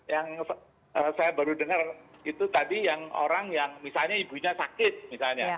yang saya baru dengar itu tadi yang orang yang misalnya ibunya sakit misalnya